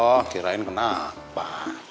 oh kirain kenapa